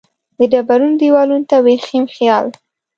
وډبرینو دیوالونو ته د وریښم خیال